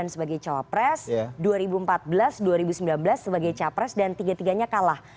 dua ribu sembilan sebagai cawapres dua ribu empat belas dua ribu sembilan belas sebagai cawapres dan tiga tiganya kalah